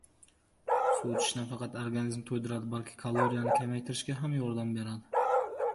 Suv ichish nafaqat organizmni to‘ydiradi, balki kaloriyani kamaytirishga ham yordam beradi